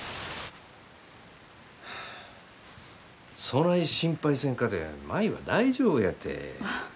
そない心配せんかて舞は大丈夫やて。